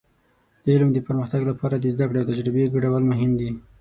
د علم د پرمختګ لپاره د زده کړې او تجربې ګډول مهم دي.